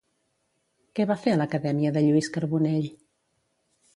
Què va fer a l'Acadèmia de Lluís Carbonell?